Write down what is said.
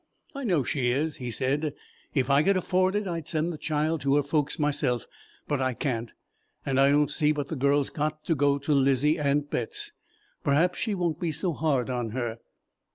"I know she is," he said; "if I could afford it, I'd send the child to her folks myself; but I can't, and I don't see but the girl's got to go to 'Lizy Ann Betts. Perhaps she won't be so hard on her."